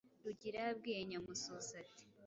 Rugira yabwiye Nyamususa ati: